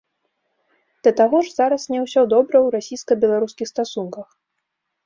Да таго ж зараз не ўсё добра ў расійска-беларускіх стасунках.